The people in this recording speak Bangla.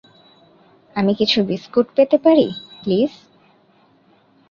আমি কিছু বিস্কুট পেতে পারি, প্লিজ?